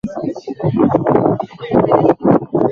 wafanyakazi wanatakiwa kuwajibika katika kutimiza malengo